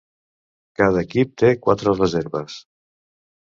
Cada equip té quatre reserves.